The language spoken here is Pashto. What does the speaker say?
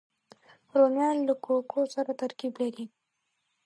رومیان له کوکو سره ترکیب لري